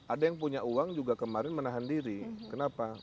ada yang punya uang juga kemarin menahan diri kenapa